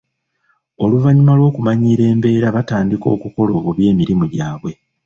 Oluvannyuma lw'okumanyiira embeera batandika okukola obubi emirimu gyabwe.